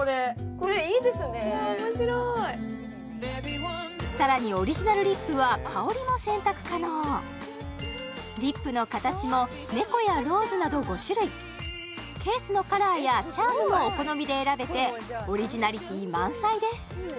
これ面白いさらにオリジナルリップは香りも選択可能リップの形もネコやローズなど５種類ケースのカラーやチャームもお好みで選べてオリジナリティー満載です